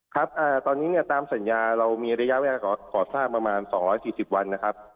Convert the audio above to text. ครับตอนนี้เนี่ยตามสัญญาเรามีระยะเวลาก่อสร้างประมาณ๒๔๐วันนะครับ